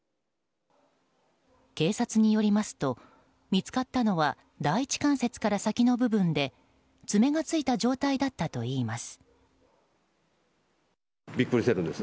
警察によりますと見つかったのは第１関節から先の部分で爪がついた状態だったといいます。